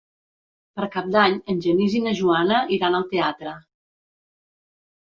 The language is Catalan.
Per Cap d'Any en Genís i na Joana iran al teatre.